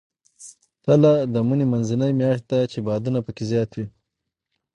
تله د مني منځنۍ میاشت ده، چې بادونه پکې زیات وي.